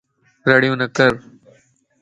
رڙيون نه ڪر